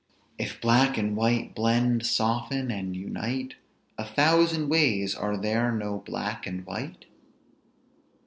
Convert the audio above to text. "If black and white blend, soften, and unite A thousand ways, are there no black and white?"